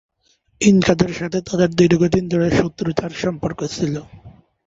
ইনকাদের সাথে তাদের দীর্ঘদিন ধরে শত্রুতার সম্পর্ক ছিল।